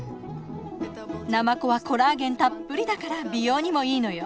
ナマコはコラーゲンたっぷりだから美容にもいいのよ。